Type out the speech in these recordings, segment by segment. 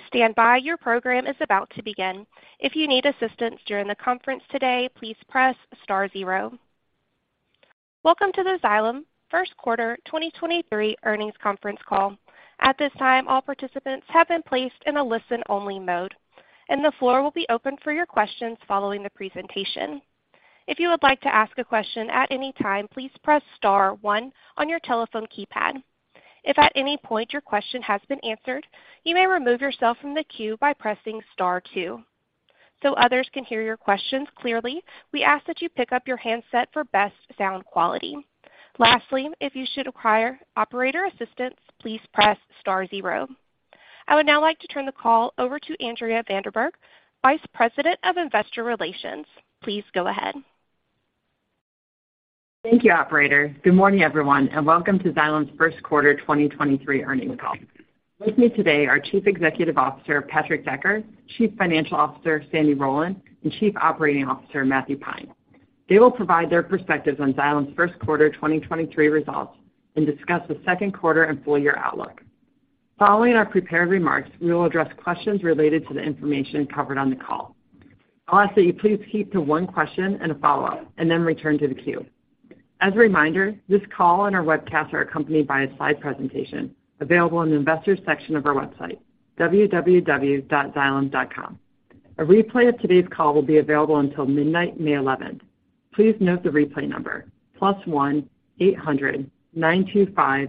Please stand by. Your program is about to begin. If you need assistance during the conference today, please press * zero. Welcome to the Xylem First Quarter 2023 Earnings Conference Call. At this time, all participants have been placed in a listen-only mode, and the floor will be open for your questions following the presentation. If you would like to ask a question at any time, please press * one on your telephone keypad. If at any point your question has been answered, you may remove yourself from the queue by pressing * two. Others can hear your questions clearly, we ask that you pick up your handset for best sound quality. Lastly, if you should acquire operator assistance, please press * zero. I would now like to turn the call over to Andrea van der Berg, Vice President of Investor Relations. Please go ahead. Thank you, operator. Good morning, everyone, and welcome to Xylem's first quarter 2023 earnings call. With me today are Chief Executive Officer, Patrick Decker, Chief Financial Officer, Sandy Rowland, and Chief Operating Officer, Matthew Pine. They will provide their perspectives on Xylem's first quarter 2023 results and discuss the second quarter and full year outlook. Following our prepared remarks, we will address questions related to the information covered on the call. I'll ask that you please keep to one question and a follow-up, and then return to the queue. As a reminder, this call and our webcast are accompanied by a slide presentation available in the Investors section of our website, www.xylem.com. A replay of today's call will be available until midnight, May 11th. Please note the replay number, +1 800 925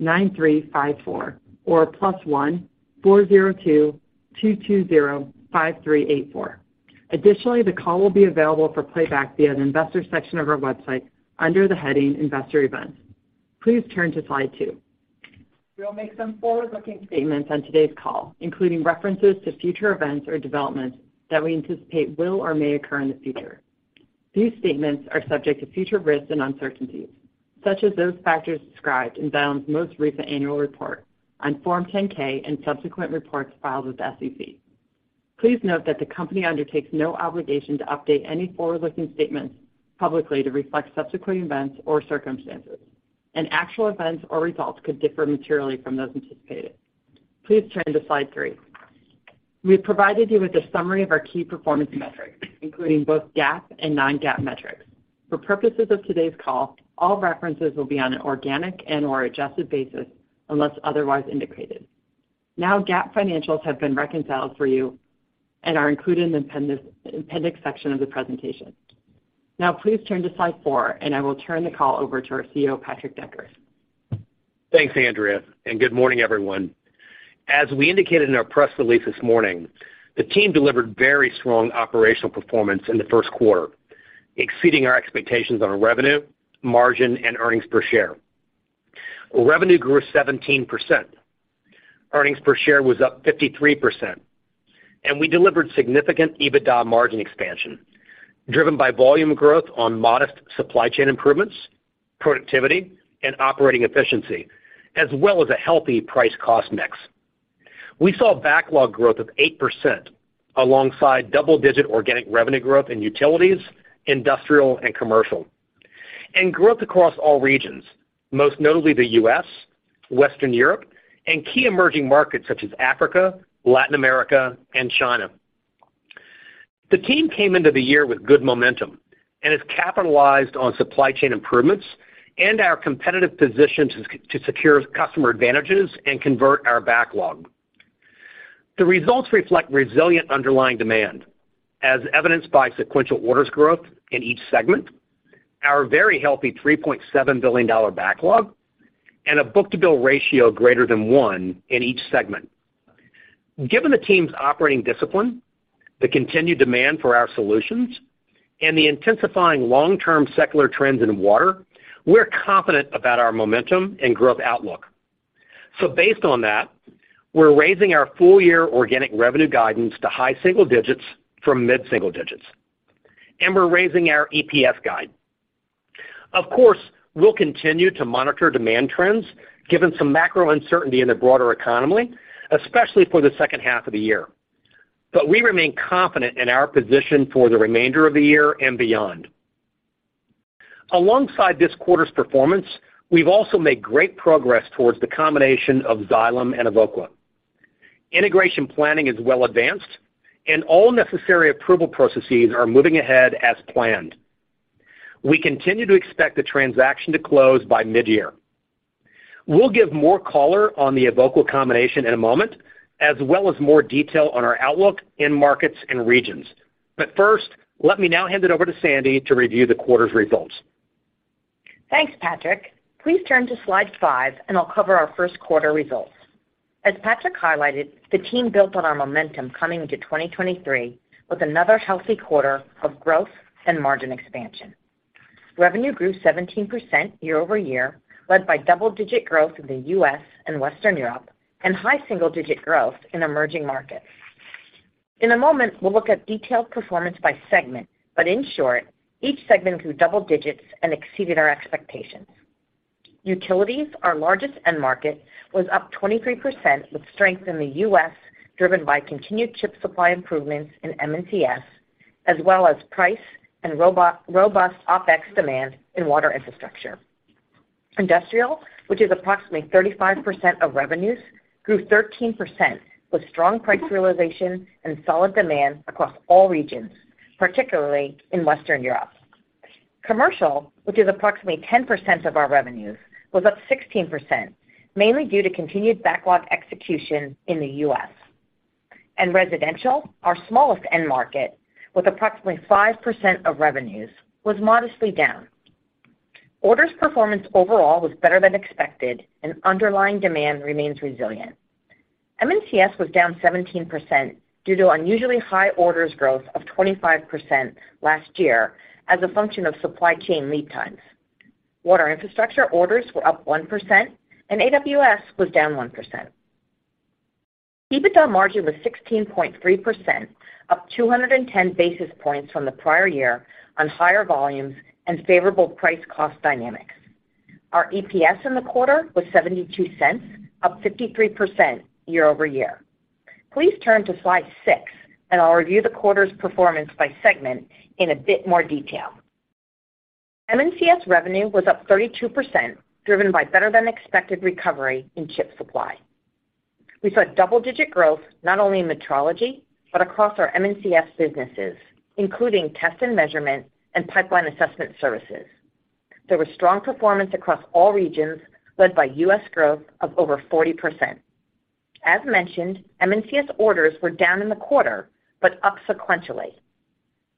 9354 or +1 402 220 5384. Additionally, the call will be available for playback via the Investors section of our website under the heading Investor Events. Please turn to slide 2. We'll make some forward-looking statements on today's call, including references to future events or developments that we anticipate will or may occur in the future. These statements are subject to future risks and uncertainties, such as those factors described in Xylem's most recent annual report on Form 10-K and subsequent reports filed with the SEC. Please note that the Company undertakes no obligation to update any forward-looking statements publicly to reflect subsequent events or circumstances, and actual events or results could differ materially from those anticipated. Please turn to slide 3. We have provided you with a summary of our key performance metrics, including both GAAP and non-GAAP metrics. For purposes of today's call, all references will be on an organic and/or adjusted basis unless otherwise indicated. GAAP financials have been reconciled for you and are included in the appendix section of the presentation. Please turn to slide 4, and I will turn the call over to our CEO, Patrick Decker. Thanks, Andrea. Good morning, everyone. As we indicated in our press release this morning, the team delivered very strong operational performance in the first quarter, exceeding our expectations on our revenue, margin, and earnings per share. Revenue grew 17%, earnings per share was up 53%, we delivered significant EBITDA margin expansion driven by volume growth on modest supply chain improvements, productivity, and operating efficiency, as well as a healthy price-cost mix. We saw backlog growth of 8% alongside double-digit organic revenue growth in utilities, industrial, and commercial, growth across all regions, most notably the U.S., Western Europe, and key emerging markets such as Africa, Latin America, and China. The team came into the year with good momentum, has capitalized on supply chain improvements and our competitive position to secure customer advantages and convert our backlog. The results reflect resilient underlying demand as evidenced by sequential orders growth in each segment, our very healthy $3.7 billion backlog, and a book-to-bill ratio greater than one in each segment. Given the team's operating discipline, the continued demand for our solutions, and the intensifying long-term secular trends in water, we're confident about our momentum and growth outlook. Based on that, we're raising our full year organic revenue guidance to high single digits from mid single digits, and we're raising our EPS guide. Of course, we'll continue to monitor demand trends given some macro uncertainty in the broader economy, especially for the second half of the year. We remain confident in our position for the remainder of the year and beyond. Alongside this quarter's performance, we've also made great progress towards the combination of Xylem and Evoqua. Integration planning is well advanced. All necessary approval processes are moving ahead as planned. We continue to expect the transaction to close by mid-year. We'll give more color on the Evoqua combination in a moment, as well as more detail on our outlook in markets and regions. First, let me now hand it over to Sandy to review the quarter's results. Thanks, Patrick. Please turn to slide 5, I'll cover our first quarter results. As Patrick highlighted, the team built on our momentum coming into 2023 with another healthy quarter of growth and margin expansion. Revenue grew 17% year-over-year, led by double-digit growth in the U.S. and Western Europe and high single-digit growth in emerging markets. In a moment, we'll look at detailed performance by segment, in short, each segment grew double digits and exceeded our expectations. Utilities, our largest end market, was up 23% with strength in the U.S. driven by continued chip supply improvements in M&CS, as well as price and robust OpEx demand in water infrastructure. Industrial, which is approximately 35% of revenues, grew 13% with strong price realization and solid demand across all regions, particularly in Western Europe. Commercial, which is approximately 10% of our revenues, was up 16%, mainly due to continued backlog execution in the U.S. Residential, our smallest end market, with approximately 5% of revenues, was modestly down. Orders performance overall was better than expected and underlying demand remains resilient. M&CS was down 17% due to unusually high orders growth of 25% last year as a function of supply chain lead times. Water infrastructure orders were up 1% and AWS was down 1%. EBITDA margin was 16.3%, up 210 basis points from the prior year on higher volumes and favorable price cost dynamics. Our EPS in the quarter was $0.72, up 53% year-over-year. Please turn to slide 6. I'll review the quarter's performance by segment in a bit more detail. M&CS revenue was up 32%, driven by better than expected recovery in chip supply. We saw double-digit growth, not only in metrology, but across our M&CS businesses, including test and measurement and pipeline assessment services. There was strong performance across all regions, led by U.S. growth of over 40%. As mentioned, M&CS orders were down in the quarter, but up sequentially.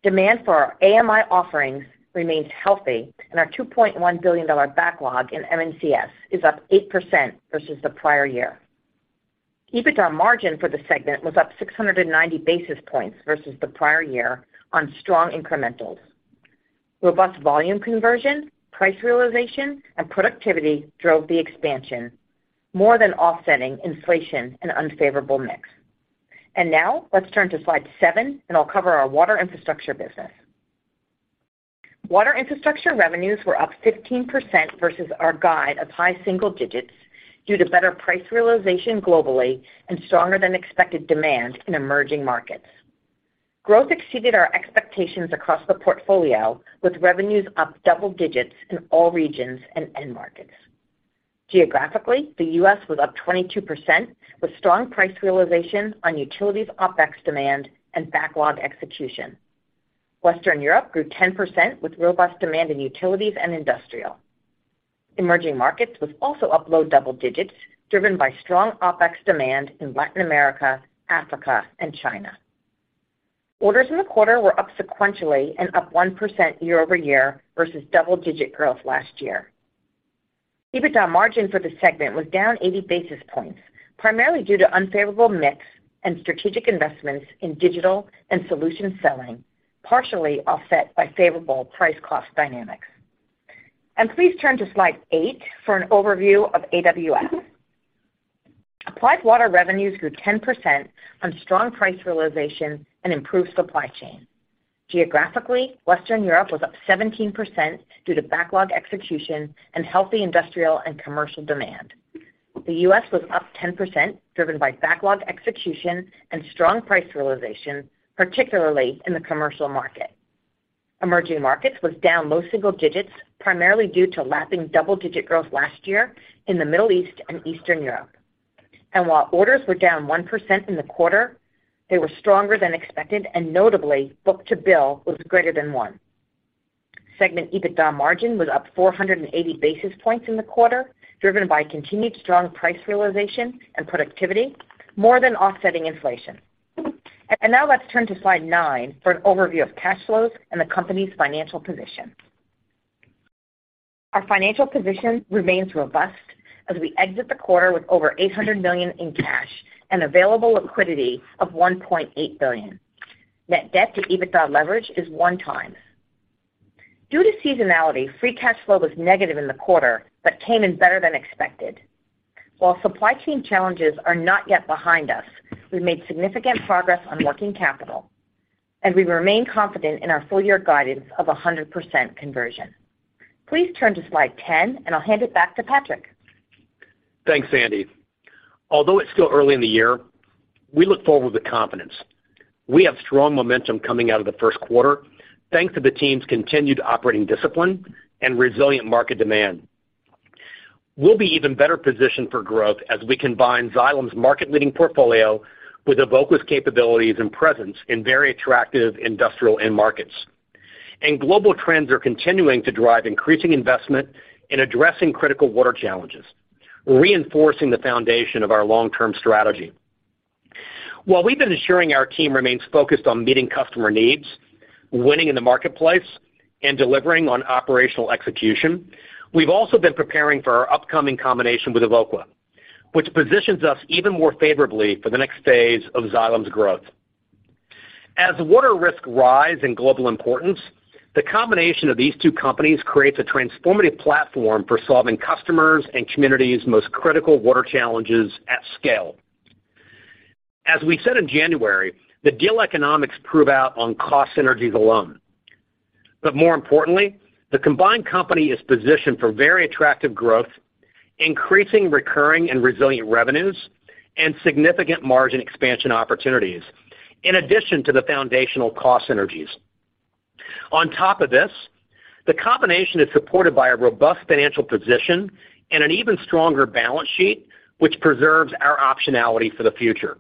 Demand for our AMI offerings remains healthy, and our $2.1 billion backlog in M&CS is up 8% versus the prior year. EBITDA margin for the segment was up 690 basis points versus the prior year on strong incrementals. Robust volume conversion, price realization, and productivity drove the expansion, more than offsetting inflation and unfavorable mix. Now let's turn to slide 7 and I'll cover our water infrastructure business. Water infrastructure revenues were up 15% versus our guide of high single digits due to better price realization globally and stronger than expected demand in emerging markets. Growth exceeded our expectations across the portfolio, with revenues up double digits in all regions and end markets. Geographically, the U.S. was up 22%, with strong price realization on utilities OpEx demand and backlog execution. Western Europe grew 10% with robust demand in utilities and industrial. Emerging markets was also up low double digits, driven by strong OpEx demand in Latin America, Africa, and China. Orders in the quarter were up sequentially and up 1% year-over-year versus double-digit growth last year. EBITDA margin for the segment was down 80 basis points, primarily due to unfavorable mix and strategic investments in digital and solution selling, partially offset by favorable price cost dynamics. Please turn to slide 8 for an overview of AWS. Applied Water revenues grew 10% on strong price realization and improved supply chain. Geographically, Western Europe was up 17% due to backlog execution and healthy industrial and commercial demand. The U.S. was up 10% driven by backlog execution and strong price realization, particularly in the commercial market. Emerging markets was down low single digits, primarily due to lapping double-digit growth last year in the Middle East and Eastern Europe. While orders were down 1% in the quarter, they were stronger than expected, and notably, book-to-bill was greater than 1. Segment EBITDA margin was up 480 basis points in the quarter, driven by continued strong price realization and productivity, more than offsetting inflation. Now let's turn to slide 9 for an overview of cash flows and the company's financial position. Our financial position remains robust as we exit the quarter with over $800 million in cash and available liquidity of $1.8 billion. Net debt to EBITDA leverage is 1 time. Due to seasonality, free cash flow was negative in the quarter, but came in better than expected. While supply chain challenges are not yet behind us, we made significant progress on working capital, and we remain confident in our full year guidance of 100% conversion. Please turn to slide 10, and I'll hand it back to Patrick. Thanks, Andi. It's still early in the year, we look forward with confidence. We have strong momentum coming out of the first quarter, thanks to the team's continued operating discipline and resilient market demand. We'll be even better positioned for growth as we combine Xylem's market-leading portfolio with Evoqua's capabilities and presence in very attractive industrial end markets. Global trends are continuing to drive increasing investment in addressing critical water challenges, reinforcing the foundation of our long-term strategy. While we've been ensuring our team remains focused on meeting customer needs, winning in the marketplace, and delivering on operational execution, we've also been preparing for our upcoming combination with Evoqua, which positions us even more favorably for the next phase of Xylem's growth. As water risk rise in global importance, the combination of these two companies creates a transformative platform for solving customers and communities' most critical water challenges at scale. As we said in January, the deal economics prove out on cost synergies alone. More importantly, the combined company is positioned for very attractive growth, increasing recurring and resilient revenues, and significant margin expansion opportunities in addition to the foundational cost synergies. On top of this, the combination is supported by a robust financial position and an even stronger balance sheet, which preserves our optionality for the future.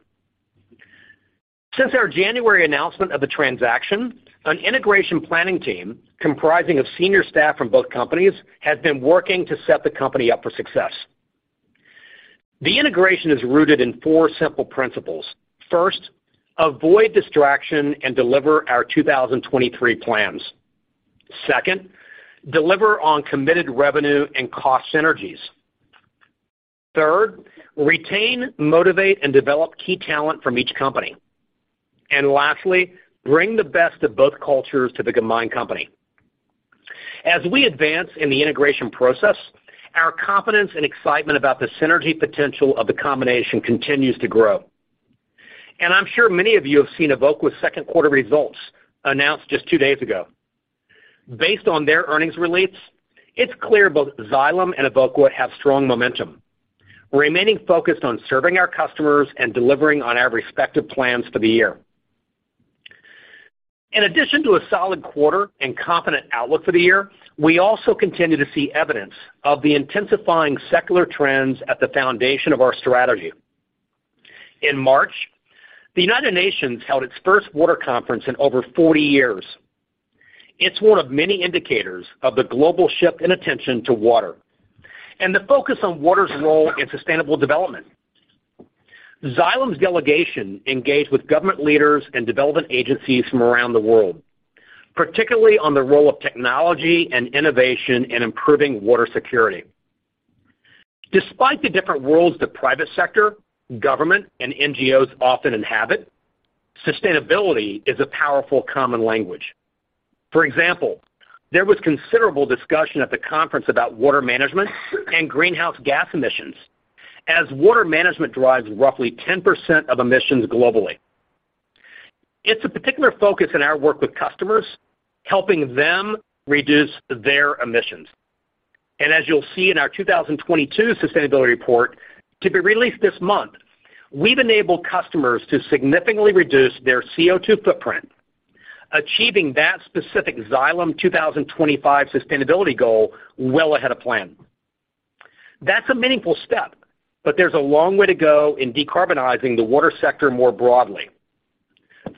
Since our January announcement of the transaction, an integration planning team comprising of senior staff from both companies has been working to set the company up for success. The integration is rooted in four simple principles. First, avoid distraction and deliver our 2023 plans. Second, deliver on committed revenue and cost synergies. Third, retain, motivate, and develop key talent from each company. Lastly, bring the best of both cultures to the combined company. As we advance in the integration process, our confidence and excitement about the synergy potential of the combination continues to grow. I'm sure many of you have seen Evoqua's second quarter results announced just 2 days ago. Based on their earnings release, it's clear both Xylem and Evoqua have strong momentum, remaining focused on serving our customers and delivering on our respective plans for the year. In addition to a solid quarter and confident outlook for the year, we also continue to see evidence of the intensifying secular trends at the foundation of our strategy. In March, the United Nations held its first water conference in over 40 years. It's one of many indicators of the global shift in attention to water and the focus on water's role in sustainable development. Xylem's delegation engaged with government leaders and development agencies from around the world, particularly on the role of technology and innovation in improving water security. Despite the different worlds the private sector, government, and NGOs often inhabit, sustainability is a powerful common language. For example, there was considerable discussion at the conference about water management and greenhouse gas emissions as water management drives roughly 10% of emissions globally. It's a particular focus in our work with customers, helping them reduce their emissions. As you'll see in our 2022 sustainability report, to be released this month, we've enabled customers to significantly reduce their CO2 footprint, achieving that specific Xylem 2025 sustainability goal well ahead of plan. That's a meaningful step, but there's a long way to go in decarbonizing the water sector more broadly.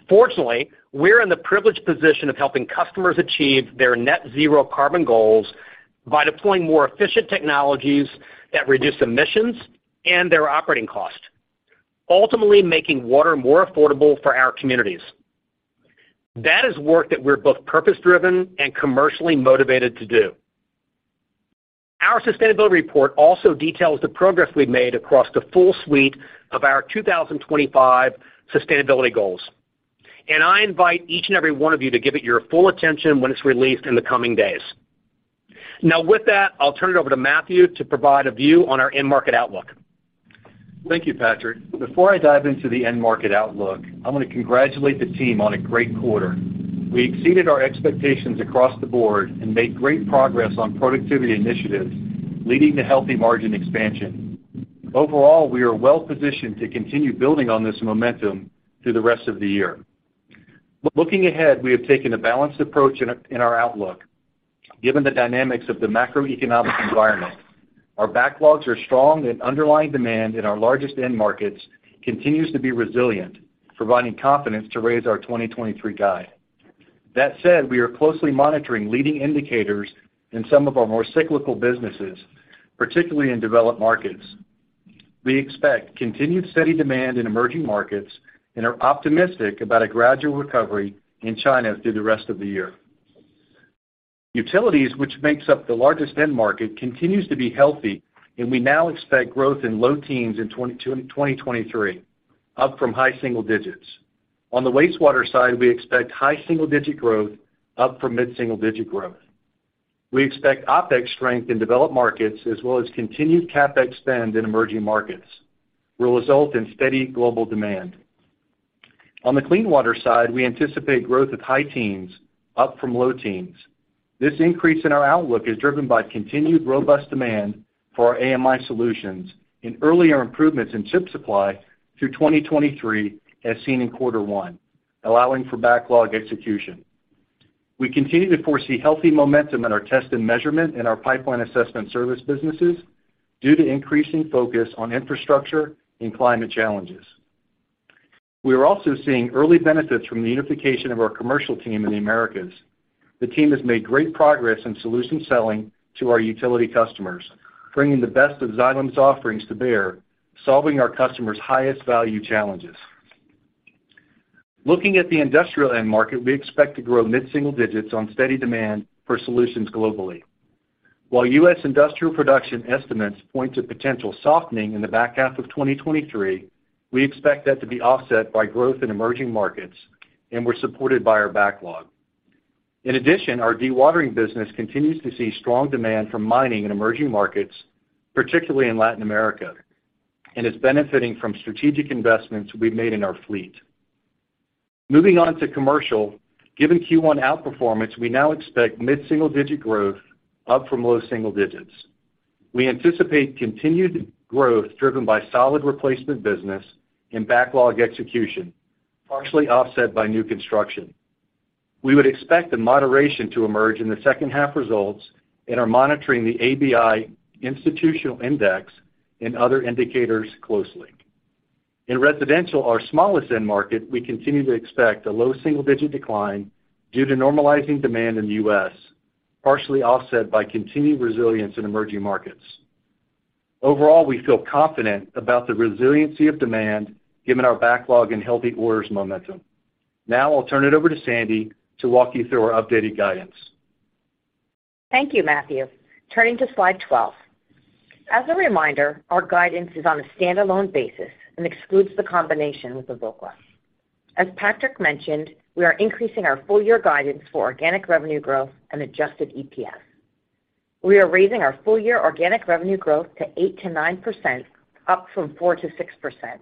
Fortunately, we're in the privileged position of helping customers achieve their net zero carbon goals by deploying more efficient technologies that reduce emissions and their operating cost, ultimately making water more affordable for our communities. That is work that we're both purpose-driven and commercially motivated to do. Our sustainability report also details the progress we've made across the full suite of our 2025 sustainability goals, and I invite each and every one of you to give it your full attention when it's released in the coming days. Now with that, I'll turn it over to Matthew to provide a view on our end market outlook. Thank you, Patrick. Before I dive into the end market outlook, I want to congratulate the team on a great quarter. We exceeded our expectations across the board and made great progress on productivity initiatives, leading to healthy margin expansion. Overall, we are well-positioned to continue building on this momentum through the rest of the year. Looking ahead, we have taken a balanced approach in our outlook, given the dynamics of the macroeconomic environment. Our backlogs are strong and underlying demand in our largest end markets continues to be resilient, providing confidence to raise our 2023 guide. That said, we are closely monitoring leading indicators in some of our more cyclical businesses, particularly in developed markets. We expect continued steady demand in emerging markets and are optimistic about a gradual recovery in China through the rest of the year. Utilities, which makes up the largest end market, continues to be healthy. We now expect growth in low teens in 2023, up from high single digits. On the wastewater side, we expect high single-digit growth, up from mid-single digit growth. We expect OpEx strength in developed markets as well as continued CapEx spend in emerging markets will result in steady global demand. On the clean water side, we anticipate growth of high teens, up from low teens. This increase in our outlook is driven by continued robust demand for our AMI solutions and earlier improvements in chip supply through 2023 as seen in quarter one, allowing for backlog execution. We continue to foresee healthy momentum in our test and measurement and our pipeline assessment service businesses due to increasing focus on infrastructure and climate challenges. We are also seeing early benefits from the unification of our commercial team in the Americas. The team has made great progress in solution selling to our utility customers, bringing the best of Xylem's offerings to bear, solving our customers' highest value challenges. Looking at the industrial end market, we expect to grow mid-single digits on steady demand for solutions globally. While U.S. industrial production estimates point to potential softening in the back half of 2023, we expect that to be offset by growth in emerging markets and we're supported by our backlog. Our dewatering business continues to see strong demand from mining in emerging markets, particularly in Latin America, and is benefiting from strategic investments we've made in our fleet. Moving on to commercial, given Q1 outperformance, we now expect mid-single digit growth up from low single digits. We anticipate continued growth driven by solid replacement business and backlog execution, partially offset by new construction. We would expect the moderation to emerge in the second half results and are monitoring the Architecture Billings Index and other indicators closely. In residential, our smallest end market, we continue to expect a low single-digit decline due to normalizing demand in the U.S., partially offset by continued resilience in emerging markets. Overall, we feel confident about the resiliency of demand given our backlog and healthy orders momentum. Now I'll turn it over to Sandy to walk you through our updated guidance. Thank you, Matthew. Turning to slide 12. As a reminder, our guidance is on a standalone basis and excludes the combination with Evoqua. As Patrick mentioned, we are increasing our full year guidance for organic revenue growth and adjusted EPS. We are raising our full year organic revenue growth to 8%-9%, up from 4%-6%.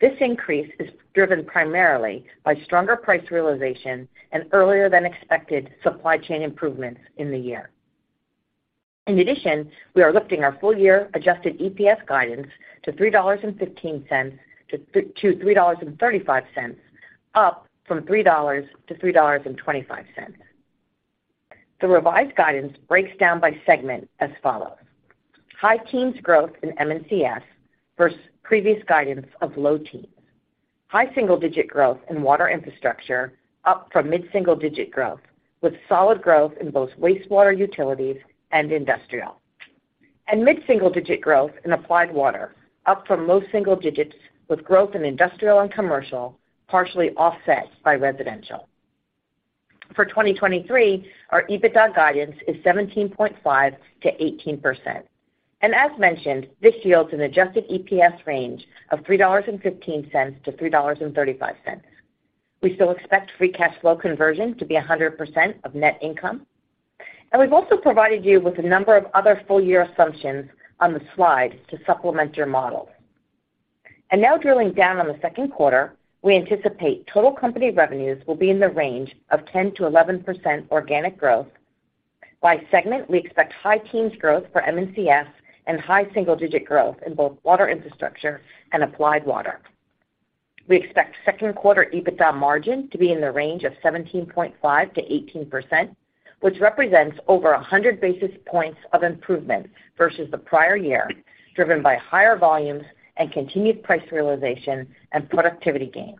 This increase is driven primarily by stronger price realization and earlier than expected supply chain improvements in the year. In addition, we are lifting our full year adjusted EPS guidance to $3.15-$3.35, up from $3.00-$3.25. The revised guidance breaks down by segment as follows. High teens growth in M&CS versus previous guidance of low teens. High single-digit growth in water infrastructure up from mid-single-digit growth, with solid growth in both wastewater utilities and industrial. Mid-single-digit growth in applied water, up from low single digits, with growth in industrial and commercial, partially offset by residential. For 2023, our EBITDA guidance is 17.5%-18%. As mentioned, this yields an adjusted EPS range of $3.15-$3.35. We still expect free cash flow conversion to be 100% of net income. We've also provided you with a number of other full-year assumptions on the slide to supplement your model. Now drilling down on the second quarter, we anticipate total company revenues will be in the range of 10%-11% organic growth. By segment, we expect high teens growth for M&CS and high single-digit growth in both water infrastructure and applied water. We expect second quarter EBITDA margin to be in the range of 17.5%-18%, which represents over 100 basis points of improvement versus the prior year, driven by higher volumes and continued price realization and productivity gains.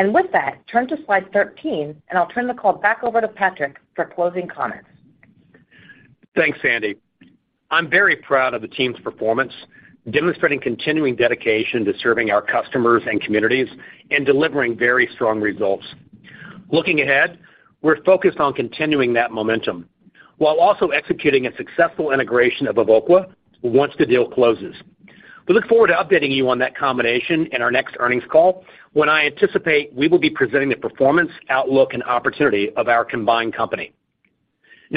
With that, turn to slide 13, and I'll turn the call back over to Patrick for closing comments. Thanks, Sandy. I'm very proud of the team's performance, demonstrating continuing dedication to serving our customers and communities and delivering very strong results. Looking ahead, we're focused on continuing that momentum while also executing a successful integration of Evoqua once the deal closes. We look forward to updating you on that combination in our next earnings call when I anticipate we will be presenting the performance, outlook, and opportunity of our combined company.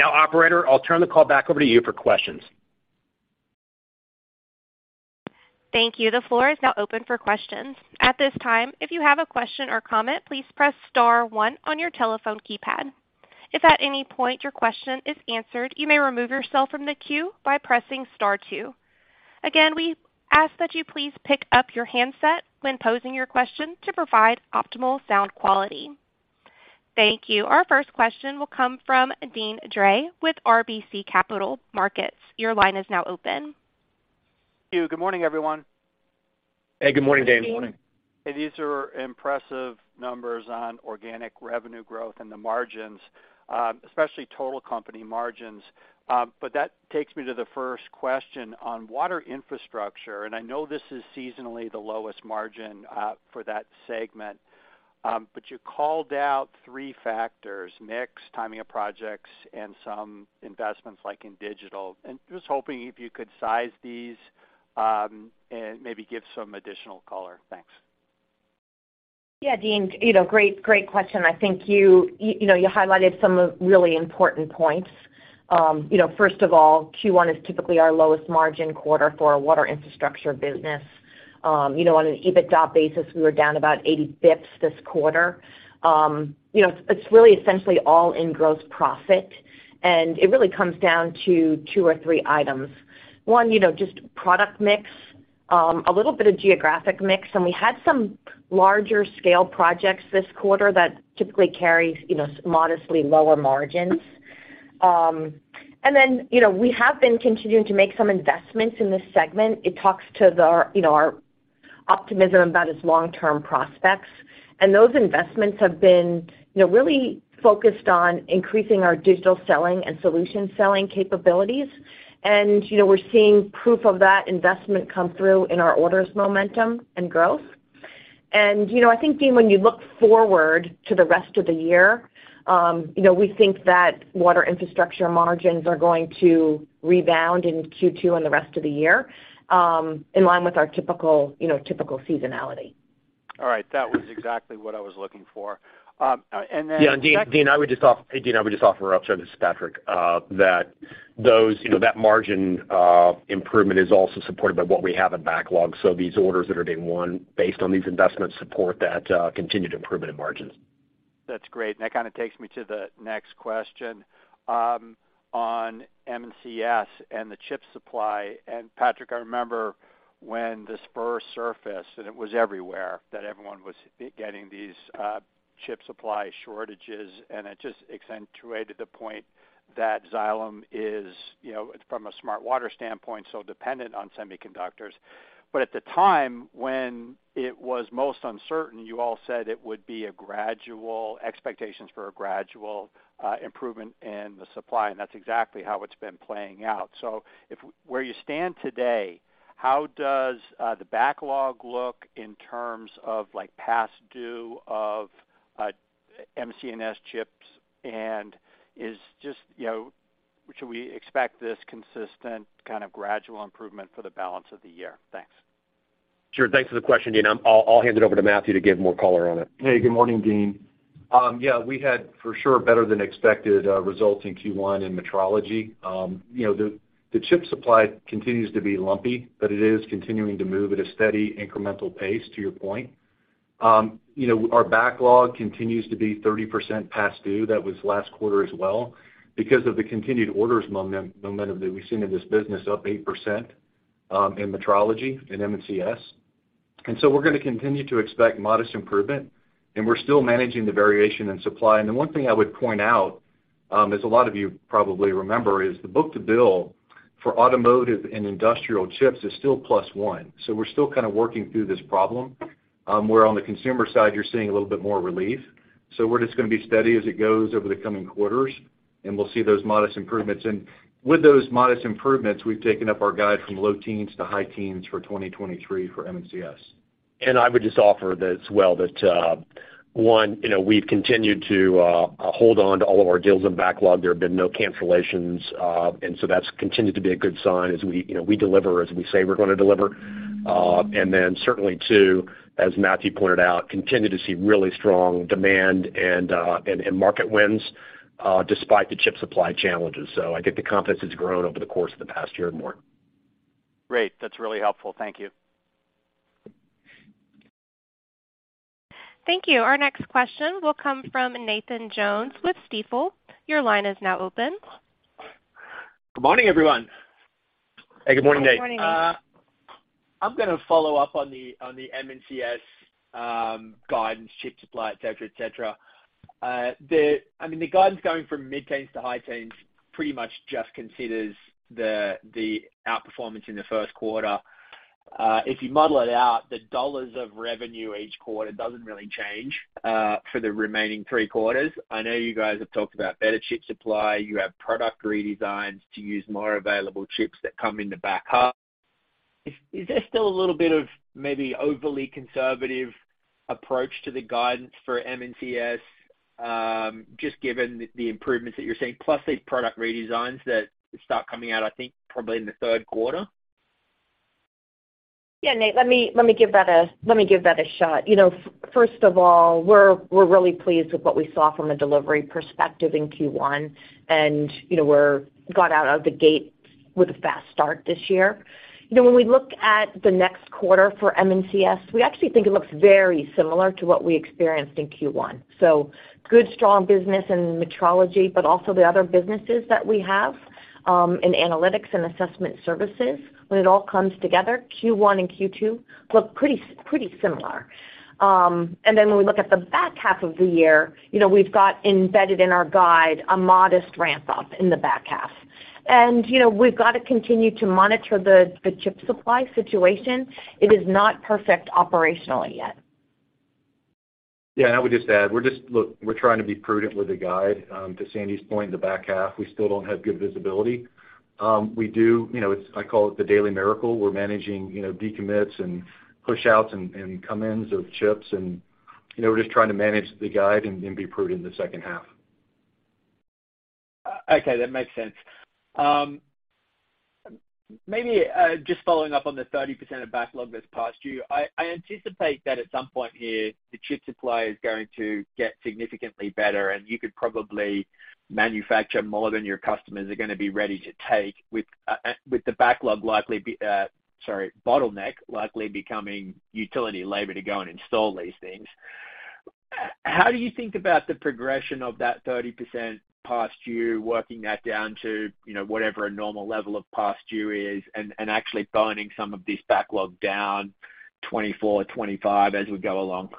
Operator, I'll turn the call back over to you for questions. Thank you. The floor is now open for questions. At this time, if you have a question or comment, please press * one on your telephone keypad. If at any point your question is answered, you may remove yourself from the queue by pressing * two. Again, we ask that you please pick up your handset when posing your question to provide optimal sound quality. Thank you. Our first question will come from Deane Dray with RBC Capital Markets. Your line is now open. Thank you. Good morning, everyone. Hey, good morning, Dean. Good morning. Hey, these are impressive numbers on organic revenue growth and the margins, especially total company margins. That takes me to the first question on water infrastructure, and I know this is seasonally the lowest margin for that segment. You called out three factors: mix, timing of projects, and some investments like in digital. Just hoping if you could size these, and maybe give some additional color. Thanks. Dean, you know, great question. I think you know, you highlighted some really important points. You know, first of all, Q1 is typically our lowest margin quarter for our water infrastructure business. You know, on an EBITDA basis, we were down about 80 basis points this quarter. You know, it's really essentially all in gross profit, and it really comes down to two or three items. One, you know, just product mix, a little bit of geographic mix. We had some larger scale projects this quarter that typically carry, you know, modestly lower margins. Then, you know, we have been continuing to make some investments in this segment. It talks to the, you know, our optimism about its long-term prospects. Those investments have been, you know, really focused on increasing our digital selling and solution selling capabilities. You know, we're seeing proof of that investment come through in our orders momentum and growth. You know, I think, Dean, when you look forward to the rest of the year, you know, we think that water infrastructure margins are going to rebound in Q2 and the rest of the year, in line with our typical, you know, typical seasonality. All right. That was exactly what I was looking for. Yeah. Dean, hey, Dean, I would just offer up, sorry, this is Patrick, that those, you know, that margin improvement is also supported by what we have in backlog. These orders that are being won based on these investments support that continued improvement in margins. That's great. That kind of takes me to the next question, on M&CS and the chip supply. Patrick, I remember when the spur surfaced, and it was everywhere, that everyone was getting these chip supply shortages, and it just accentuated the point that Xylem is, you know, from a smart water standpoint, so dependent on semiconductors. At the time when it was most uncertain, you all said expectations for a gradual improvement in the supply, and that's exactly how it's been playing out. Where you stand today, how does the backlog look in terms of, like, past due of M&CS chips? Is just, you know, should we expect this consistent kind of gradual improvement for the balance of the year? Thanks. Sure. Thanks for the question, Dean. I'll hand it over to Matthew to give more color on it. Good morning, Dean. Yeah, we had for sure better than expected results in Q1 in metrology. You know, the chip supply continues to be lumpy, but it is continuing to move at a steady incremental pace, to your point. You know, our backlog continues to be 30% past due. That was last quarter as well. Because of the continued orders momentum that we've seen in this business, up 8%, in metrology in M&CS. We're gonna continue to expect modest improvement, and we're still managing the variation in supply. The one thing I would point out, as a lot of you probably remember, is the book-to-bill for automotive and industrial chips is still +1. We're still kind of working through this problem, where on the consumer side you're seeing a little bit more relief. We're just gonna be steady as it goes over the coming quarters, and we'll see those modest improvements. With those modest improvements, we've taken up our guide from low teens to high teens for 2023 for M&CS. I would just offer that as well that, one, you know, we've continued to hold on to all of our deals and backlog. There have been no cancellations, and so that's continued to be a good sign as we, you know, we deliver as we say we're gonna deliver. Then certainly two, as Matthew pointed out, continue to see really strong demand and market wins, despite the chip supply challenges. I think the confidence has grown over the course of the past year and more. Great. That's really helpful. Thank you. Thank you. Our next question will come from Nathan Jones with Stifel. Your line is now open. Good morning, everyone. Hey, good morning, Nate. Good morning, Nate. I'm gonna follow up on the, on the M&CS guidance, chip supply, et cetera, et cetera. I mean, the guidance going from mid-teens to high teens pretty much just considers the outperformance in the first quarter. If you muddle it out, the dollars of revenue each quarter doesn't really change for the remaining three quarters. I know you guys have talked about better chip supply. You have product redesigns to use more available chips that come in the back half. Is there still a little bit of maybe overly conservative approach to the guidance for M&CS just given the improvements that you're seeing, plus these product redesigns that start coming out, I think, probably in the third quarter? Yeah, Nate, let me give that a shot. You know, first of all, we're really pleased with what we saw from a delivery perspective in Q1. You know, got out of the gate with a fast start this year. You know, when we look at the next quarter for M&CS, we actually think it looks very similar to what we experienced in Q1. Good, strong business in metrology, but also the other businesses that we have in analytics and assessment services. When it all comes together, Q1 and Q2 look pretty similar. When we look at the back half of the year, you know, we've got embedded in our guide a modest ramp up in the back half. You know, we've got to continue to monitor the chip supply situation. It is not perfect operationally yet. Yeah. I would just add, we're just look, we're trying to be prudent with the guide. To Sandy's point, in the back half, we still don't have good visibility. We do, you know, it's, I call it the daily miracle. We're managing, you know, decommits and pushouts and come ins of chips and, you know, we're just trying to manage the guide and be prudent in the second half. Okay, that makes sense. Maybe, just following up on the 30% of backlog that's past due, I anticipate that at some point here, the chip supply is going to get significantly better, and you could probably manufacture more than your customers are gonna be ready to take with the backlog likely bottleneck likely becoming utility labor to go and install these things. How do you think about the progression of that 30% past due, working that down to, you know, whatever a normal level of past due is and actually burning some of this backlog down 2024, 2025 as we go along?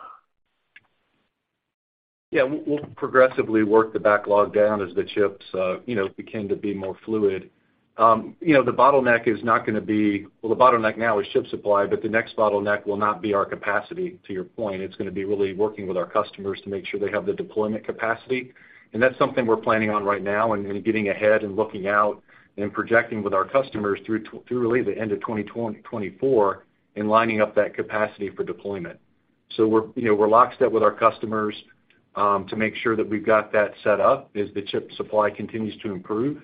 Yeah. We'll progressively work the backlog down as the chips, you know, begin to be more fluid. You know, the bottleneck is not gonna be. Well, the bottleneck now is chip supply, but the next bottleneck will not be our capacity, to your point. It's gonna be really working with our customers to make sure they have the deployment capacity. That's something we're planning on right now and getting ahead and looking out and projecting with our customers through really the end of 2024 and lining up that capacity for deployment. We're, you know, we're lockstep with our customers to make sure that we've got that set up as the chip supply continues to improve,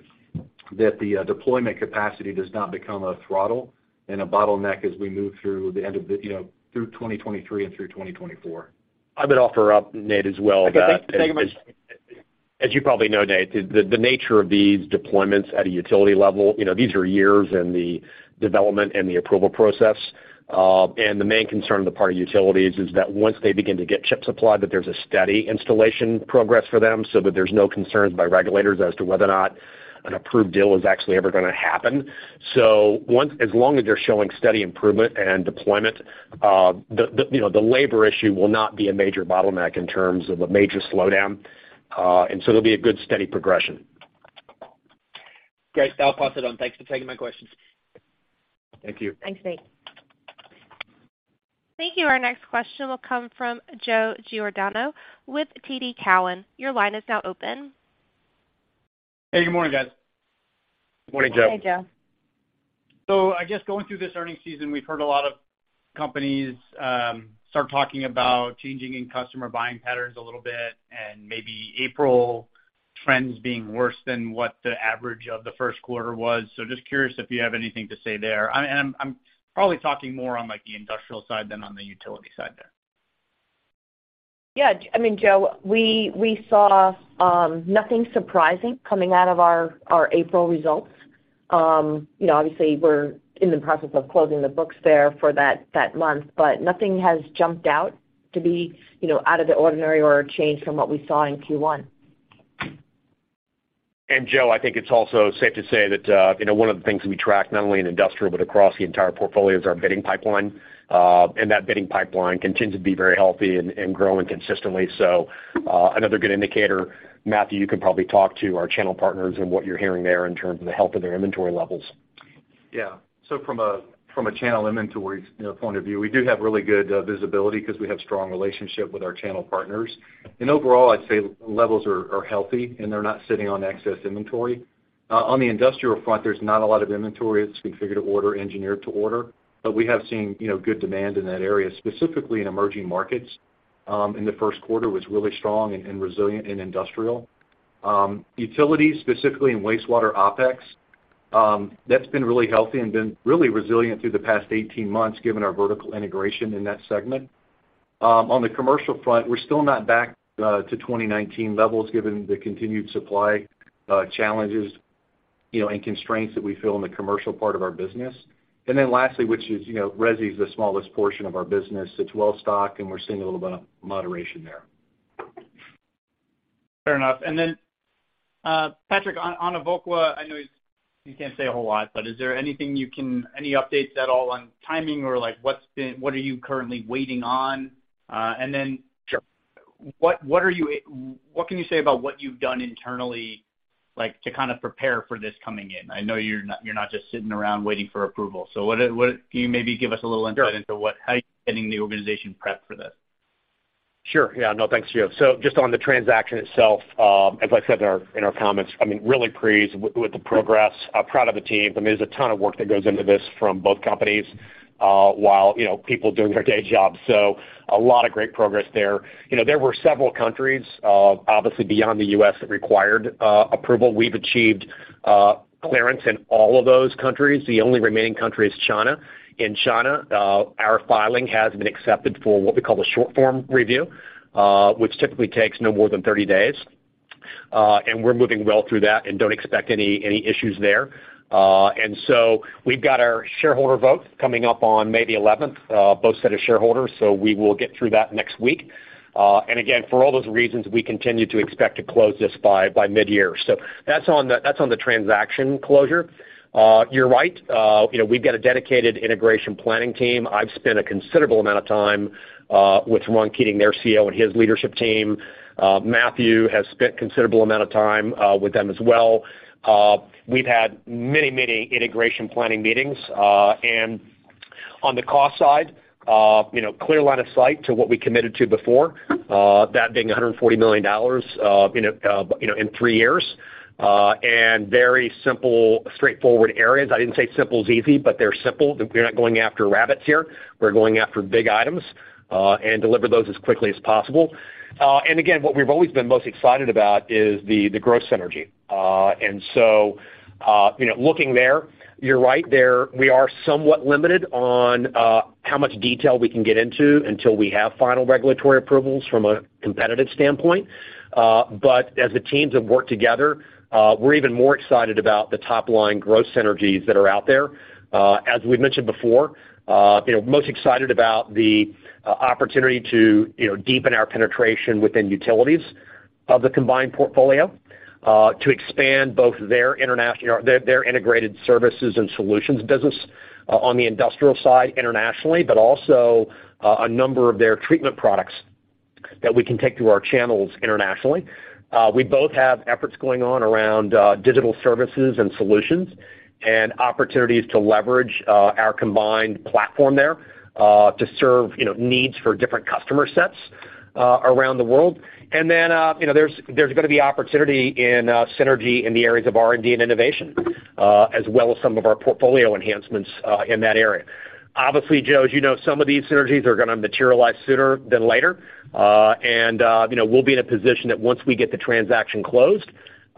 that the deployment capacity does not become a throttle and a bottleneck as we move through the end of the, you know, through 2023 and through 2024. I'm gonna offer up, Nate, as well that- Okay. Thanks so much. As you probably know, Nate, the nature of these deployments at a utility level, you know, these are years in the development and the approval process. The main concern on the part of utilities is that once they begin to get chip supply, that there's a steady installation progress for them so that there's no concerns by regulators as to whether or not an approved deal is actually ever going to happen. As long as they're showing steady improvement and deployment, the, you know, the labor issue will not be a major bottleneck in terms of a major slowdown. There'll be a good steady progression. Great. I'll pass it on. Thanks for taking my questions. Thank you. Thanks, Nate. Thank you. Our next question will come from Joe Giordano with TD Cowen. Your line is now open. Hey, good morning, guys. Morning, Joe. Hey, Joe. I guess going through this earnings season, we've heard a lot of companies start talking about changing in customer buying patterns a little bit, and maybe April trends being worse than what the average of the first quarter was. Just curious if you have anything to say there. I mean, I'm probably talking more on, like, the industrial side than on the utility side there. I mean, Joe, we saw nothing surprising coming out of our April results. You know, obviously we're in the process of closing the books there for that month, but nothing has jumped out to be, you know, out of the ordinary or a change from what we saw in Q1. Joe, I think it's also safe to say that, you know, one of the things that we track not only in industrial but across the entire portfolio is our bidding pipeline. That bidding pipeline continues to be very healthy and growing consistently. Another good indicator, Matthew, you can probably talk to our channel partners and what you're hearing there in terms of the health of their inventory levels. From a channel inventory point of view, we do have really good visibility 'cause we have strong relationship with our channel partners. Overall, I'd say levels are healthy, and they're not sitting on excess inventory. On the industrial front, there's not a lot of inventory. It's configured to order, engineered to order. We have seen good demand in that area, specifically in emerging markets, in the first quarter was really strong and resilient in industrial. Utilities, specifically in wastewater OpEx, that's been really healthy and been really resilient through the past 18 months given our vertical integration in that segment. On the commercial front, we're still not back to 2019 levels given the continued supply challenges and constraints that we feel in the commercial part of our business. Lastly, which is, resi is the smallest portion of our business. It's well stocked, and we're seeing a little bit of moderation there. Fair enough. Patrick, on Evoqua, I know you can't say a whole lot, but is there anything you can any updates at all on timing or, like, what's been what are you currently waiting on? Sure. What can you say about what you've done internally, like, to kind of prepare for this coming in? I know you're not just sitting around waiting for approval. What are... Can you maybe give us a little insight? Sure. How you're getting the organization prepped for this? Sure. Yeah. No, thanks, Joe. Just on the transaction itself, as I said in our, in our comments, I mean, really pleased with the progress. Proud of the team. I mean, there's a ton of work that goes into this from both companies, while, you know, people doing their day jobs. A lot of great progress there. You know, there were several countries, obviously beyond the U.S., that required approval. We've achieved clearance in all of those countries. The only remaining country is China. In China, our filing has been accepted for what we call the short-form review, which typically takes no more than 30 days. We're moving well through that and don't expect any issues there. We've got our shareholder vote coming up on May the 11th, both set of shareholders, so we will get through that next week. Again, for all those reasons, we continue to expect to close this by mid-year. That's on the transaction closure. You're right, you know, we've got a dedicated integration planning team. I've spent a considerable amount of time with Ron Keating, their CEO, and his leadership team. Matthew has spent considerable amount of time with them as well. We've had many integration planning meetings. On the cost side, you know, clear line of sight to what we committed to before, that being $140 million, you know, in 3 years. Very simple, straightforward areas. I didn't say simple as easy, but they're simple. We're not going after rabbits here. We're going after big items, and deliver those as quickly as possible. Again, what we've always been most excited about is the growth synergy. You know, looking there, you're right there, we are somewhat limited on how much detail we can get into until we have final regulatory approvals from a competitive standpoint. As the teams have worked together, we're even more excited about the top-line growth synergies that are out there. As we've mentioned before, you know, most excited about the opportunity to, you know, deepen our penetration within utilities of the combined portfolio, to expand both their integrated services and solutions business on the industrial side internationally, but also a number of their treatment products that we can take to our channels internationally. We both have efforts going on around digital services and solutions and opportunities to leverage our combined platform there to serve, you know, needs for different customer sets around the world. You know, there's gonna be opportunity in synergy in the areas of R&D and innovation, as well as some of our portfolio enhancements in that area. Obviously, Joe, as you know, some of these synergies are gonna materialize sooner than later. You know, we'll be in a position that once we get the transaction closed,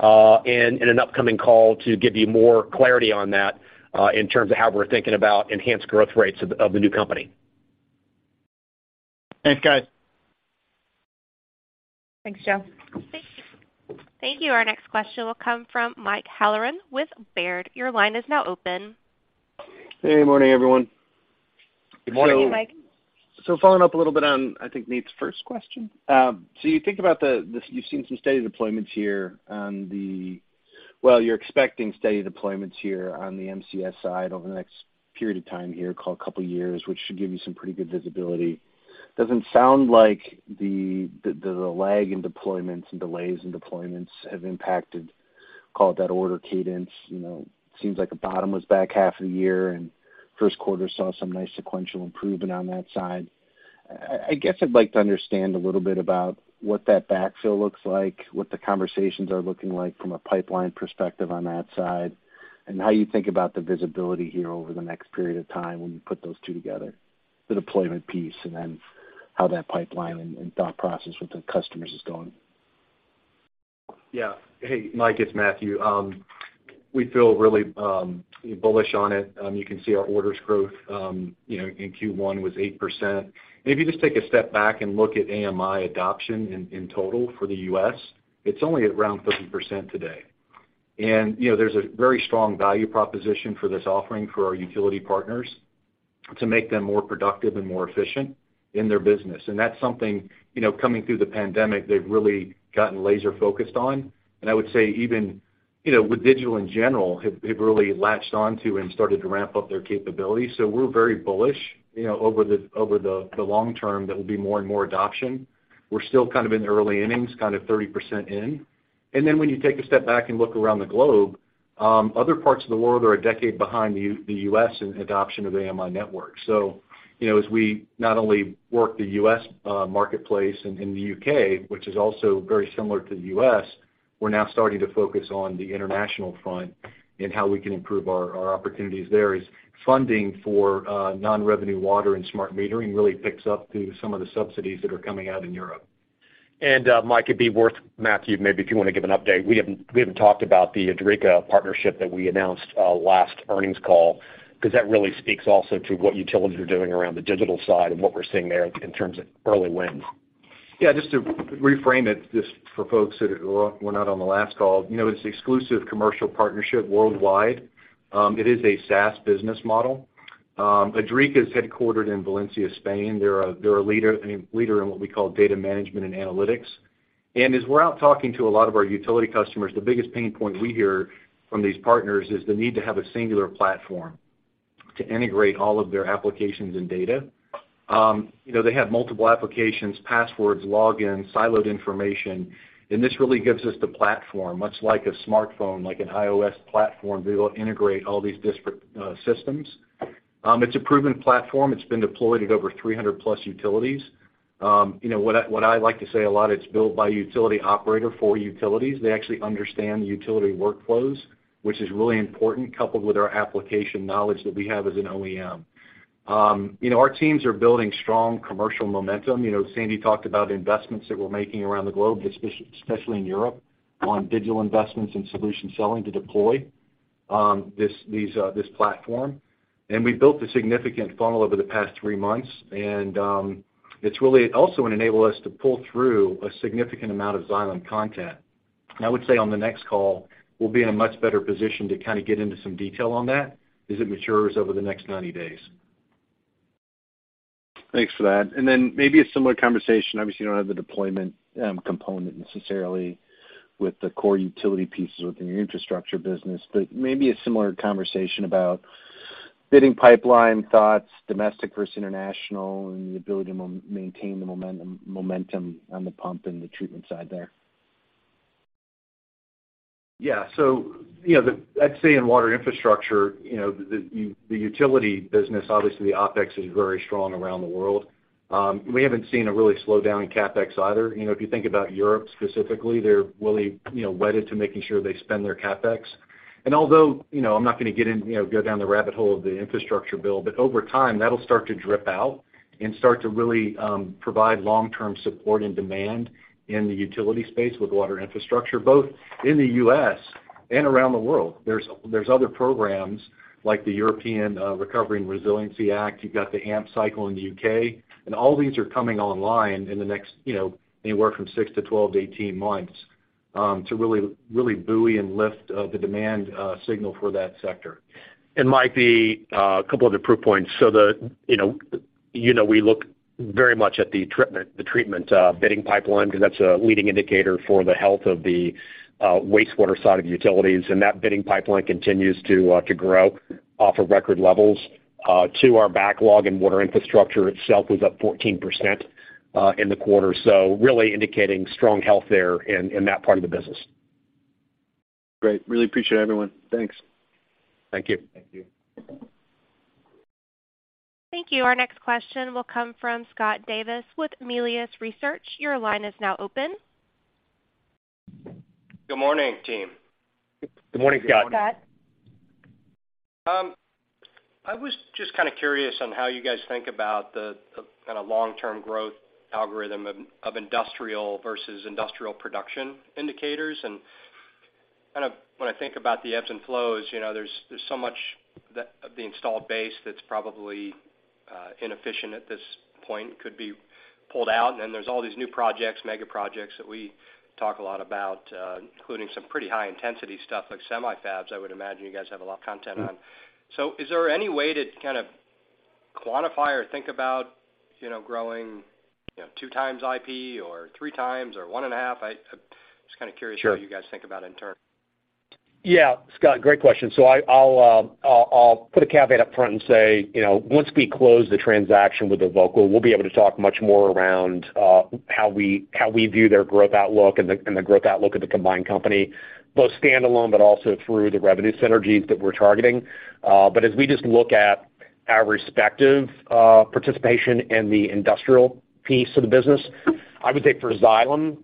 in an upcoming call to give you more clarity on that, in terms of how we're thinking about enhanced growth rates of the new company. Thanks, guys. Thanks, Joe. Thank you. Our next question will come from Michael Halloran with Baird. Your line is now open. Hey, morning, everyone. Good morning. Morning, Mike. Following up a little bit on, I think, Nate's first question. You think about this. You're expecting steady deployments here on the M&CS side over the next period of time here, call it a couple of years, which should give you some pretty good visibility. Doesn't sound like the lag in deployments and delays in deployments have impacted, call it that order cadence. You know, seems like the bottom was back half of the year, and first quarter saw some nice sequential improvement on that side. I guess I'd like to understand a little bit about what that backfill looks like, what the conversations are looking like from a pipeline perspective on that side, and how you think about the visibility here over the next period of time when you put those two together, the deployment piece and then how that pipeline and thought process with the customers is going. Yeah. Hey, Mike, it's Matthew. We feel really bullish on it. You can see our orders growth, you know, in Q1 was 8%. If you just take a step back and look at AMI adoption in total for the U.S., it's only at around 30% today. You know, there's a very strong value proposition for this offering for our utility partners to make them more productive and more efficient in their business. That's something, you know, coming through the pandemic, they've really gotten laser-focused on. I would say even, you know, with digital in general, have really latched on to and started to ramp up their capabilities. We're very bullish, you know, over the long term, there will be more and more adoption. We're still kind of in the early innings, kind of 30% in. When you take a step back and look around the globe, other parts of the world are a decade behind the U.S. in adoption of AMI network. You know, as we not only work the U.S. marketplace and in the U.K., which is also very similar to the U.S., we're now starting to focus on the international front and how we can improve our opportunities there as funding for non-revenue water and smart metering really picks up through some of the subsidies that are coming out in Europe. Mike, it'd be worth, Matthew, maybe if you wanna give an update. We haven't talked about the Idrica partnership that we announced last earnings call, 'cause that really speaks also to what utilities are doing around the digital side and what we're seeing there in terms of early wins. Just to reframe it just for folks that were not on the last call. You know, it's exclusive commercial partnership worldwide. It is a SaaS business model. Idrica is headquartered in Valencia, Spain. They're a leader in what we call data management and analytics. As we're out talking to a lot of our utility customers, the biggest pain point we hear from these partners is the need to have a singular platform to integrate all of their applications and data. You know, they have multiple applications, passwords, logins, siloed information, and this really gives us the platform, much like a smartphone, like an iOS platform, to be able to integrate all these disparate systems. It's a proven platform. It's been deployed at over 300 plus utilities. You know, what I like to say a lot, it's built by utility operator for utilities. They actually understand the utility workflows, which is really important, coupled with our application knowledge that we have as an OEM. You know, our teams are building strong commercial momentum. You know, Sandy talked about the investments that we're making around the globe, especially in Europe, on digital investments and solution selling to deploy this platform. We've built a significant funnel over the past three months, and it's really also gonna enable us to pull through a significant amount of Xylem content. I would say on the next call, we'll be in a much better position to kinda get into some detail on that as it matures over the next 90 days. Thanks for that. Maybe a similar conversation. Obviously, you don't have the deployment, component necessarily with the core utility pieces within your infrastructure business, but maybe a similar conversation about bidding pipeline thoughts, domestic versus international, and the ability to maintain the momentum on the pump and the treatment side there. You know, I'd say in water infrastructure, you know, the utility business, obviously the OpEx is very strong around the world. We haven't seen a really slow down in CapEx either. You know, if you think about Europe specifically, they're really, you know, wedded to making sure they spend their CapEx. Although, you know, I'm not gonna get in, you know, go down the rabbit hole of the infrastructure bill, but over time, that'll start to drip out and start to really provide long-term support and demand in the utility space with water infrastructure, both in the U.S. and around the world. There's other programs like the European Recovery and Resiliency Act. You've got the AMP cycle in the UK, and all these are coming online in the next, you know, anywhere from 6 to 12 to 18 months, to really, really buoy and lift, the demand, signal for that sector. Mike, the couple other proof points. The, you know, we look very much at the treatment bidding pipeline because that's a leading indicator for the health of the wastewater side of utilities, and that bidding pipeline continues to grow off of record levels to our backlog and water infrastructure itself was up 14% in the quarter. Really indicating strong health there in that part of the business. Great. Really appreciate it, everyone. Thanks. Thank you. Thank you. Thank you. Our next question will come from Scott Davis with Melius Research. Your line is now open. Good morning, team. Good morning, Scott. Scott? I was just kind of curious on how you guys think about the kind of long-term growth algorithm of industrial versus industrial production indicators. Kind of when I think about the ebbs and flows, you know, there's so much of the installed base that's probably inefficient at this point could be pulled out. There's all these new projects, mega projects that we talk a lot about, including some pretty high intensity stuff like semi-fabs, I would imagine you guys have a lot of content on. Is there any way to kind of quantify or think about, you know, growing, you know, 2 times IP or 3 times or 1.5? Just kind of curious? Sure. how you guys think about in term. Scott, great question. So I'll put a caveat up front and say, you know, once we close the transaction with Evoqua, we'll be able to talk much more around how we view their growth outlook and the growth outlook of the combined company, both standalone, but also through the revenue synergies that we're targeting. But as we just look at our respective participation in the industrial piece of the business, I would say for Xylem,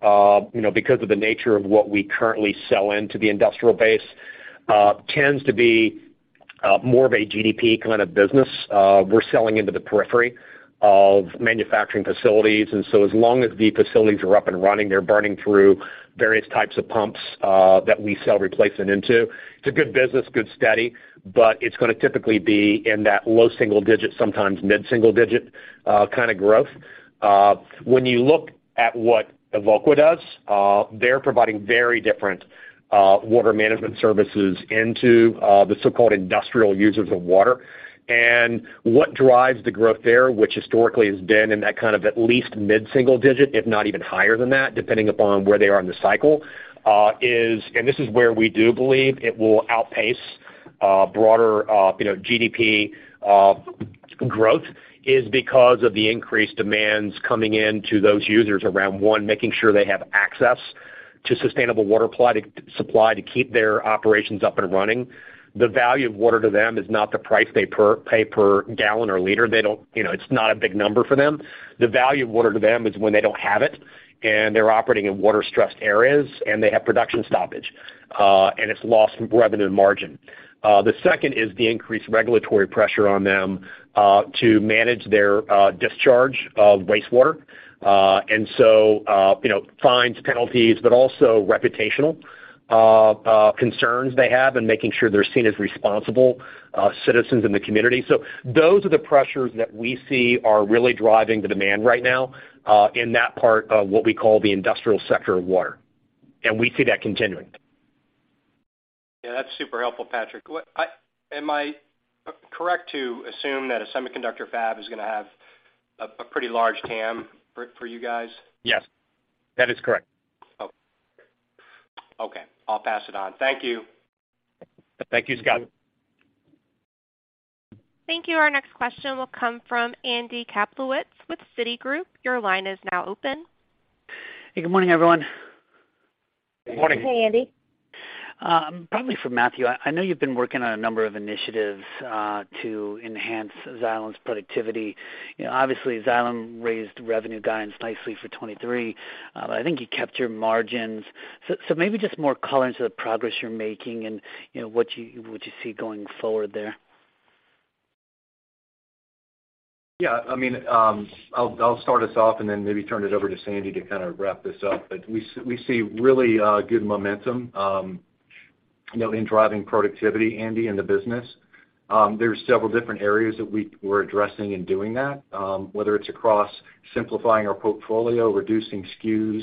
you know, because of the nature of what we currently sell into the industrial base, tends to be more of a GDP kind of business. We're selling into the periphery of manufacturing facilities. So as long as the facilities are up and running, they're burning through various types of pumps that we sell replacement into. It's a good business, good, steady, it's gonna typically be in that low single-digit, sometimes mid-single-digit, kind of growth. When you look at what Evoqua does, they're providing very different, water management services into, the so-called industrial users of water. What drives the growth there, which historically has been in that kind of at least mid-single-digit, if not even higher than that, depending upon where they are in the cycle, is, and this is where we do believe it will outpace, broader, you know, GDP, growth, is because of the increased demands coming in to those users around, one, making sure they have access to sustainable water supply to keep their operations up and running. The value of water to them is not the price they pay per gallon or liter. They don't... You know, it's not a big number for them. The value of water to them is when they don't have it, and they're operating in water-stressed areas, and they have production stoppage, and it's lost revenue margin. The second is the increased regulatory pressure on them to manage their discharge of wastewater. You know, fines, penalties, but also reputational concerns they have in making sure they're seen as responsible citizens in the community. Those are the pressures that we see are really driving the demand right now, in that part of what we call the industrial sector of water, and we see that continuing. Yeah, that's super helpful, Patrick. Am I correct to assume that a semiconductor fab is gonna have a pretty large TAM for you guys? Yes. That is correct. Oh. Okay, I'll pass it on. Thank you. Thank you, Scott. Thank you. Our next question will come from Andy Kaplowitz with Citigroup. Your line is now open. Hey, good morning, everyone. Morning. Hey, Andy. Probably for Matthew. I know you've been working on a number of initiatives, to enhance Xylem's productivity. You know, obviously, Xylem raised revenue guidance nicely for 2023. I think you kept your margins. Maybe just more color into the progress you're making and, you know, what you, what you see going forward there. I mean, I'll start us off and then maybe turn it over to Sandy Rowland to kind of wrap this up. We see really good momentum, you know, in driving productivity, Andi, in the business. There are several different areas that we're addressing in doing that, whether it's across simplifying our portfolio, reducing SKUs,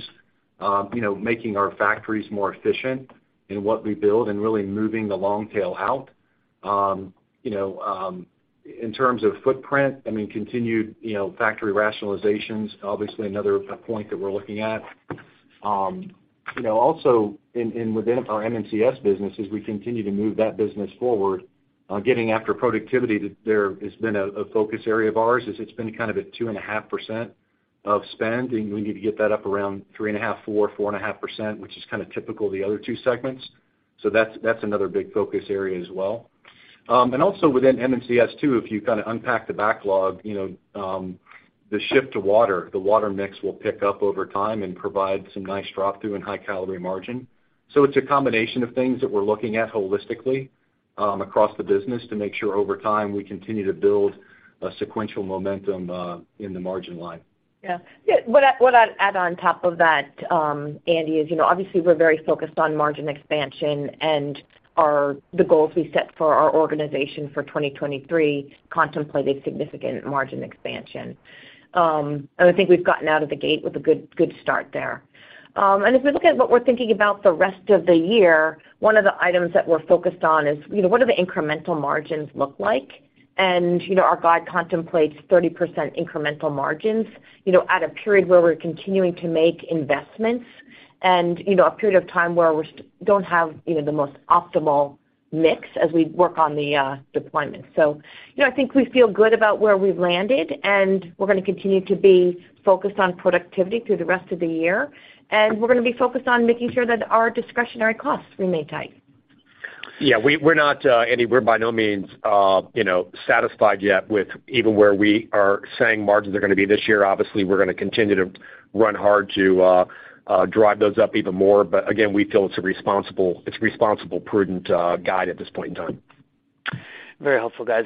you know, making our factories more efficient in what we build and really moving the long tail out. You know, in terms of footprint, I mean, continued, you know, factory rationalizations, obviously another point that we're looking at. you know, also within our M&CS business, as we continue to move that business forward, getting after productivity there has been a focus area of ours, is it's been kind of at 2.5% of spend, and we need to get that up around 3.5%, 4%, 4.5%, which is kind of typical of the other two segments. That's another big focus area as well. And also within M&CS too, if you kind of unpack the backlog, you know, the shift to water, the water mix will pick up over time and provide some nice drop through and high calorie margin. It's a combination of things that we're looking at holistically across the business to make sure over time, we continue to build a sequential momentum in the margin line. Yeah. Yeah. What I, what I'd add on top of that, Andy, is, you know, obviously we're very focused on margin expansion and the goals we set for our organization for 2023 contemplated significant margin expansion. I think we've gotten out of the gate with a good start there. If we look at what we're thinking about the rest of the year, one of the items that we're focused on is, you know, what do the incremental margins look like? You know, our guide contemplates 30% incremental margins, you know, at a period where we're continuing to make investments and, you know, a period of time where we don't have, you know, the most optimal mix as we work on the deployment. You know, I think we feel good about where we've landed, and we're gonna continue to be focused on productivity through the rest of the year. We're gonna be focused on making sure that our discretionary costs remain tight. We're not, Andy, we're by no means, you know, satisfied yet with even where we are saying margins are gonna be this year. Obviously, we're gonna continue to run hard to drive those up even more. Again, we feel it's a responsible, it's responsible, prudent guide at this point in time. Very helpful guys.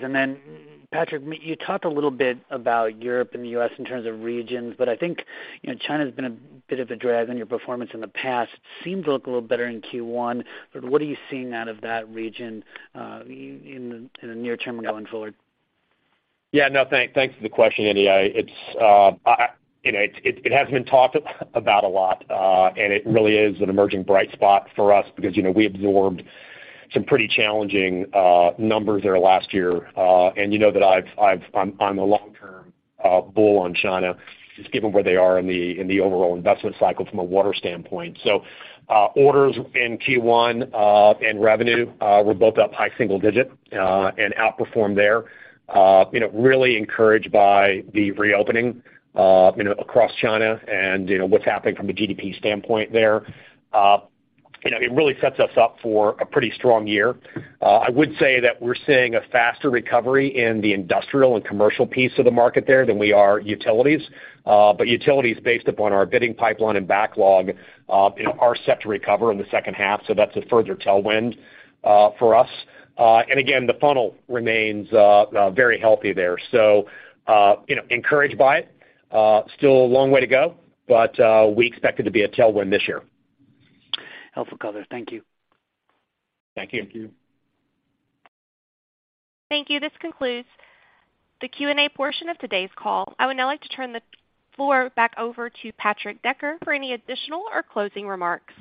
Patrick, you talked a little bit about Europe and the U.S., in terms of regions, I think, you know, China's been a bit of a drag on your performance in the past. Seems to look a little better in Q1. What are you seeing out of that region, in the near term going forward? No, thanks for the question, Andy. It's, you know, it has been talked about a lot, and it really is an emerging bright spot for us because, you know, we absorbed some pretty challenging numbers there last year. You know that I'm a long-term bull on China, just given where they are in the overall investment cycle from a water standpoint. Orders in Q1 and revenue were both up high single digit and outperformed there. You know, really encouraged by the reopening, you know, across China and, you know, what's happening from a GDP standpoint there. You know, it really sets us up for a pretty strong year. I would say that we're seeing a faster recovery in the industrial and commercial piece of the market there than we are utilities. Utilities based upon our bidding pipeline and backlog, you know, are set to recover in the second half, so that's a further tailwind for us. Again, the funnel remains very healthy there. You know, encouraged by it. Still a long way to go, but we expect it to be a tailwind this year. Helpful color. Thank you. Thank you. Thank you. Thank you. This concludes the Q&A portion of today's call. I would now like to turn the floor back over to Patrick Decker for any additional or closing remarks.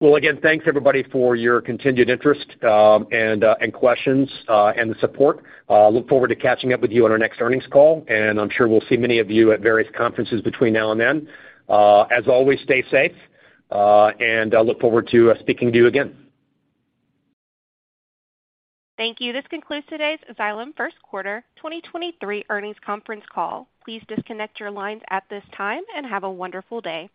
Well, again, thanks everybody for your continued interest, and questions, and the support. Look forward to catching up with you on our next earnings call, and I'm sure we'll see many of you at various conferences between now and then. As always, stay safe, and I look forward to speaking to you again. Thank you. This concludes today's Xylem First Quarter 2023 Earnings Conference Call. Please disconnect your lines at this time and have a wonderful day.